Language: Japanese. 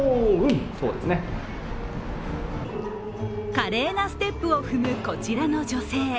華麗なステップを踏む、こちらの女性。